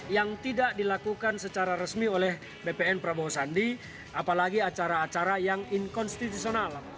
yang tidak dilakukan secara resmi oleh bpn prabowo sandi apalagi acara acara yang inkonstitusional